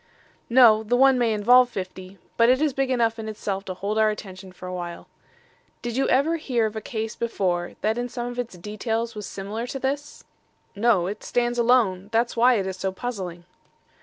"No; the one may involve fifty, but it is big enough in itself to hold our attention for a while. Did you ever hear of a case before, that in some of its details was similar to this?" "No, it stands alone. That's why it is so puzzling."